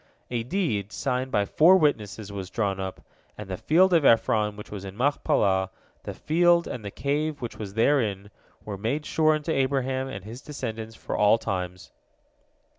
A deed, signed by four witnesses, was drawn up, and the field of Ephron, which was in Machpelah, the field, and the cave which was therein, were made sure unto Abraham and his descendants for all times.